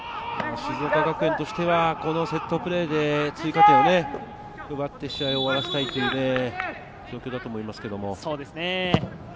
静岡学園としては、このセットプレーで追加点を奪って試合を終わらせたいという状況だと思いますけど。